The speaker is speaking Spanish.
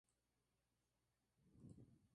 Quigley y Cora regresan juntos a los Estados Unidos.